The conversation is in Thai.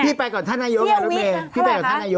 พี่ไปก่อนท่านนายกครับพี่ไปก่อนท่านนายก